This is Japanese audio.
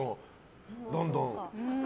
どんどん。